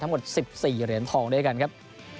ทั้งหมด๑๔เหรียญทองด้วยกันครับ